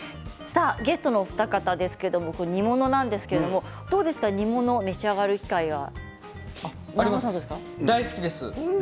ゲストのお二方ですけれど煮物なんですが煮物、召し上がる機会は大好きです。